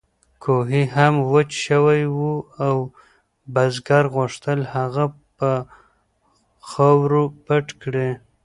کوهی هم وچ شوی و او بزګر غوښتل هغه په خاورو پټ کړي.